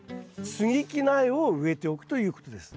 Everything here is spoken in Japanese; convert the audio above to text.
接ぎ木苗を植えておくということです。